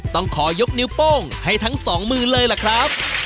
ต้องขอยกนิ้วโป้งให้ทั้งสองมือเลยล่ะครับ